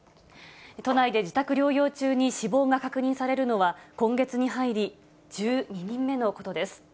都内で自宅療養中に死亡が確認されるのは、今月に入り、１２人目のことです。